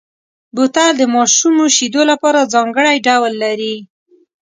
بوتل د ماشومو شیدو لپاره ځانګړی ډول لري.